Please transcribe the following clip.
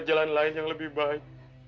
tidak ada jalan lain yang lebih baik